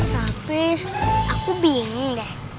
tapi aku bingung deh